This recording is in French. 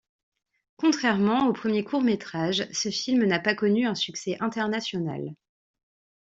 Contrairement aux premiers courts-métrages, ce film n'a pas connu un succès international.